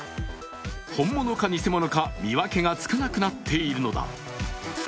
本物か偽物か見分けがつかなくなっているのだ。